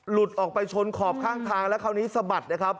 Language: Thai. หลุดออกไปชนขอบข้างทางแล้วคราวนี้สะบัดนะครับ